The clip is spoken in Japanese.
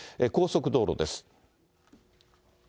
高速道路です。